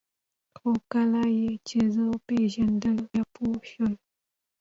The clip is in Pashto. خو کله یې چې زه وپېژندلم بیا پوه شول